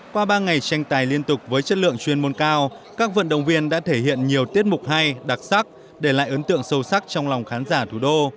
qua ba ngày tranh tài liên tục với chất lượng chuyên môn cao các vận động viên đã thể hiện nhiều tiết mục hay đặc sắc để lại ấn tượng sâu sắc trong lòng khán giả thủ đô